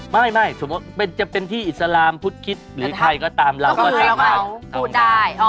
ไม่สมมุติจะเป็นที่อิสลามพุทธคิดหรือใครก็ตามเราก็สามารถโอนได้